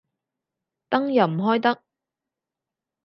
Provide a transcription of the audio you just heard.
燈又唔開得